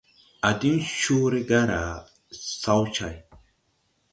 À diŋ coore garà sawcày.